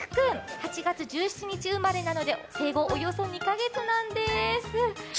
８月生まれなので生後およそ２カ月なんです。